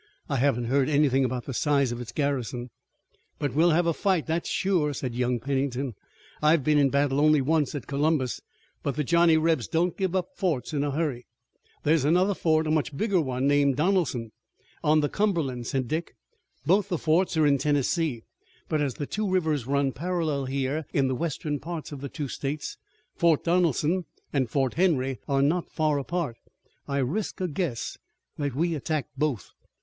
I haven't heard anything about the size of its garrison." "But we'll have a fight, that's sure," said young Pennington. "I've been in battle only once at Columbus but the Johnny Rebs don't give up forts in a hurry." "There's another fort, a much bigger one, named Donelson, on the Cumberland," said Dick. "Both the forts are in Tennessee, but as the two rivers run parallel here in the western parts of the two states, Fort Donelson and Fort Henry are not far apart. I risk a guess that we attack both."